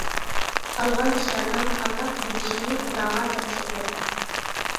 قالغان ئىشلارنىڭ قانداق بولۇشىنى خۇداغا تاپشۇردۇق.